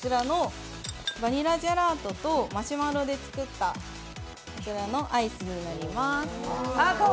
バニラジェラートとマシュマロで作った、こちらのアイスになります。